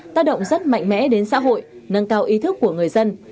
tác động rất mạnh mẽ đến xã hội nâng cao ý thức của người dân